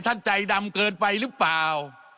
ใจดำเกินไปหรือเปล่า